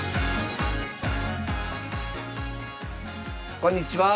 こんにちは。